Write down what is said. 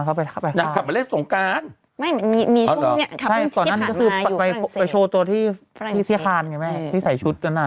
กลับไปแล้วใช่ไหม